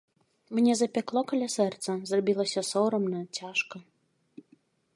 Мне запякло каля сэрца, зрабілася сорамна, цяжка.